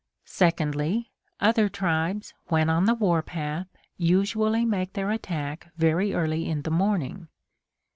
Secondly, other tribes, when on the war path, usually make their attack very early in the morning.